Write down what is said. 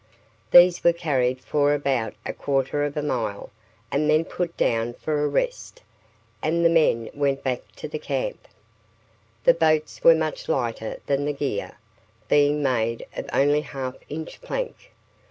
These were carried for about a quarter of a mile, and then put down for a rest, and the men went back to the camp. The boats were much lighter than the gear, being made of only half inch plank.